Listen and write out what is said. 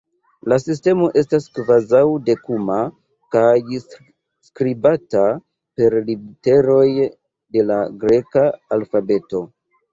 La sistemo estas kvazaŭ-dekuma kaj skribata per literoj de la greka alfabeto.